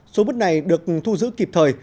số mứt này được thu giữ kịp thời